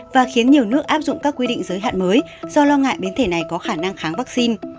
và khiến nhiều nước áp dụng các quy định giới hạn mới do lo ngại biến thể này có khả năng kháng vaccine